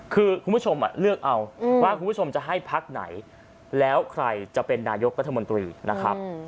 คือคุณผู้ชมเลือกเอาว่าคุณผู้ชมจะให้พักไหนแล้วใครจะเป็นนายกรัฐมนตรีนะครับ